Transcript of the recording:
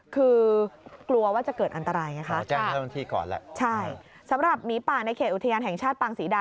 คือกลัวว่าจะเกิดอันตรายนะคะใช่สำหรับหมีป่าในเขตอุทยานแห่งชาติปังศรีดา